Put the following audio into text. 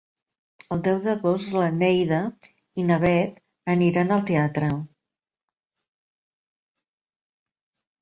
El deu d'agost na Neida i na Bet aniran al teatre.